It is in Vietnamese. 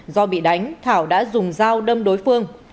do bị đánh thảo đã dùng dao đâm đối phương